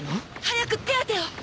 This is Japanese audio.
早く手当てを！